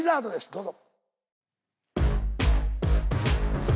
どうぞ。